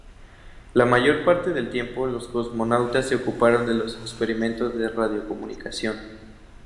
La mayor parte del tiempo los cosmonautas se ocuparon de los experimentos de radiocomunicación.